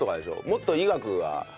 もっと医学が。